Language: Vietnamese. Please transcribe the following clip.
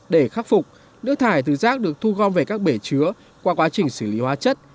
để khắc phục nước thải từ rác được thu gom về các bể chứa qua quá trình xử lý hóa chất